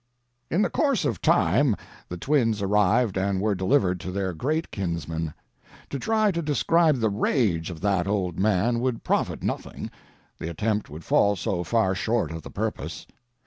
In the course of time the twins arrived and were delivered to their great kinsman. To try to describe the rage of that old man would profit nothing, the attempt would fall so far short of the purpose.